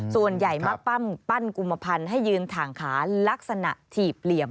ส่วนใหญ่มาปั้นกุมพันธุ์ให้ยืนถ่างขาลักษณะถีบเหลี่ยม